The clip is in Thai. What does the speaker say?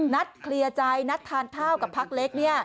นัดเคลียร์ใจนัดทานข้าวกับพักเล็ก